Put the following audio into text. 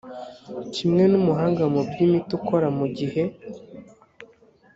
kimwe n umuhanga mu by imiti ukora mu gihe